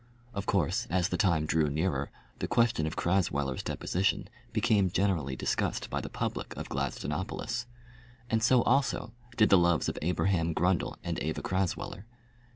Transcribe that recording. Of course, as the time drew nearer, the question of Crasweller's deposition became generally discussed by the public of Gladstonopolis. And so also did the loves of Abraham Grundle and Eva Crasweller.